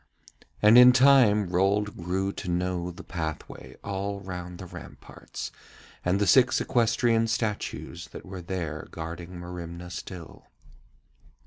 And in time Rold grew to know the pathway all round the ramparts, and the six equestrian statues that were there guarding Merimna still.